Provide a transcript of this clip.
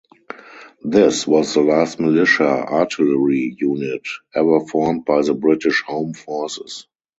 This was the last Militia Artillery unit ever formed by the British Home forces.